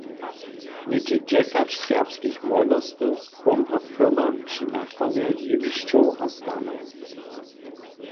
Něhdźe dźesać serbskich młodostnych pomha firmam při natwarje jewišćow a stanow.